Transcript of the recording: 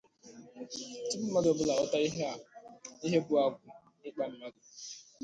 Tupu mmadụ ọbụla aghọta ihe bụ agwụ ịkpa mmadụ